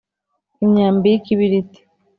Imyambi y ikibiriti